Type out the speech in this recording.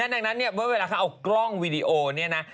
นั่นดังนั้นเนี่ยเวลาเขาเอากล้องวิดีโอเนี่ยนะ